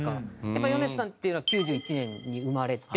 やっぱり米津さんっていうのは９１年に生まれて。